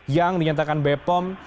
yang dinyatakan bepom